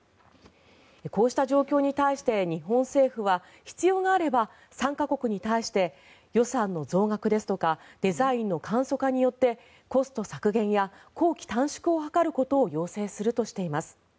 こうした状況に対して日本政府は必要があれば参加国に対して予算の増額ですとかデザインの簡素化によってコスト削減や工期短縮を図ることを要請するとしています。